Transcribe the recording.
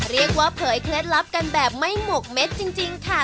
เผยเคล็ดลับกันแบบไม่หมกเม็ดจริงค่ะ